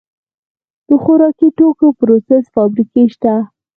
د خوراکي توکو پروسس فابریکې شته